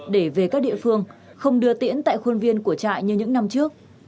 để về các địa phương không đưa tiễn tại khuôn viên của trại như những năm trước